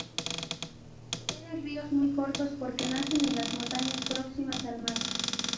Tiene ríos muy cortos porque nacen en las montañas próximas al mar.